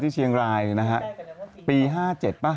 เชียงรายนะฮะปี๕๗ป่ะ